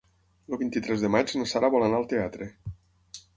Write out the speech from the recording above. El vint-i-tres de maig na Sara vol anar al teatre.